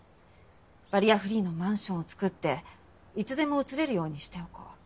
バリアフリーのマンションを造っていつでも移れるようにしておこう。